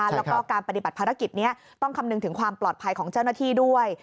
แล้วก็การปฏิบัติภารกิจนี้ต้องคำนึงถึงความปลอดภัยของเจ้าหน้าที่ด้วย